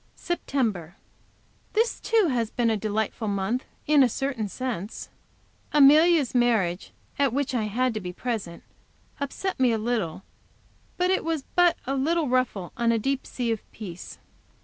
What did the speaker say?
September. This, too, has been a delightful month in a certain sense. Amelia's marriage, at which I had to be present, upset me a little, but it was but a little ruffle on a deep sea of peace.